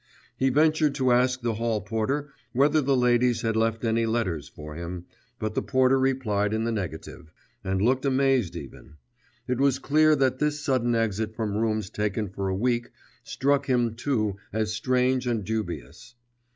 He ventured to ask the hall porter whether the ladies had left any letters for him, but the porter replied in the negative, and looked amazed even; it was clear that this sudden exit from rooms taken for a week struck him too as strange and dubious.